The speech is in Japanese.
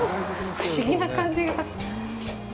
不思議な感じがする。